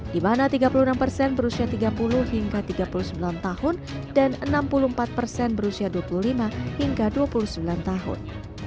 di mana tiga puluh enam persen berusia tiga puluh hingga tiga puluh sembilan tahun dan enam puluh empat persen berusia dua puluh lima hingga dua puluh sembilan tahun